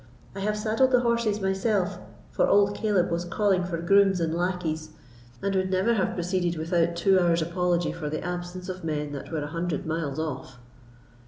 I have saddled the horses myself, for old Caleb was calling for grooms and lackeys, and would never have proceeded without two hours' apology for the absence of men that were a hundred miles off.